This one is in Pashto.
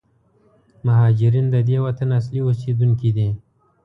مهارجرین د دې وطن اصلي اوسېدونکي دي.